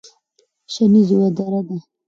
شنیز یوه دره ده